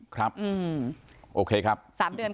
ครับโอเคครับ๓เดือน